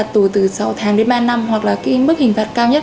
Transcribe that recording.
tù từ sáu tháng đến ba năm hoặc là cái mức hình phạt cao nhất